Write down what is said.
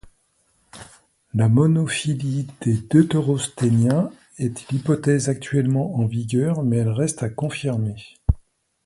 La monophylie des Deutérostomiens est l'hypothèse actuellement en vigueur mais elle reste à confirmer.